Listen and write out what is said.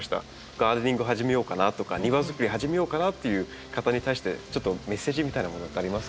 ガーデニング始めようかなとか庭づくり始めようかなっていう方に対してちょっとメッセージみたいなものってありますか？